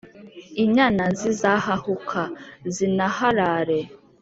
Inyana zizahahuka, zinaharare,